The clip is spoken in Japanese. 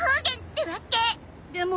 でも。